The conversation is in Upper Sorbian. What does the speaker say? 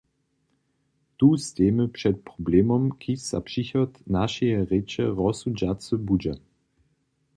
Tu stejimy před problemom, kiž za přichod našeje rěče rozsudźacy budźe.